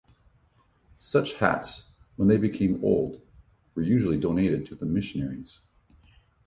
Such hats, when they became old, were usually donated to the missionaries.